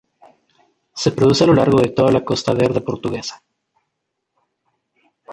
Se produce a lo largo de toda la Costa Verde portuguesa.